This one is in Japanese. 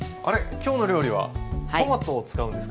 今日の料理はトマトを使うんですか？